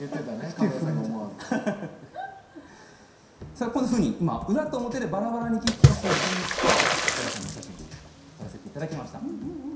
カメラさんが思わず手震えちゃってこういうふうに今裏と表でバラバラに切った写真と桜井さんのお写真撮らせていただきました